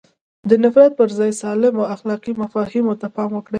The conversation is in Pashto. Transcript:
د نفرت پر ځای سالمو اخلاقي مفاهیمو ته پام وکړي.